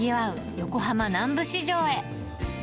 横浜南部市場へ。